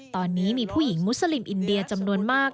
ตอนนี้มีผู้หญิงมุสลิมอินเดียจำนวนมาก